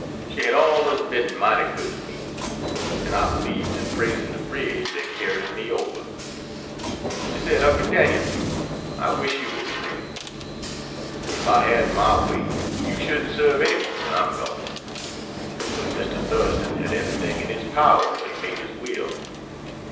She hed allers bin mighty good to me. An' I beliebs in praisin' de bridge dat carries me ober. She said, 'Uncle Dan'el, I wish you war free. Ef I had my way you shouldn't serve any one when I'm gone; but Mr. Thurston had eberything in his power when he made his will.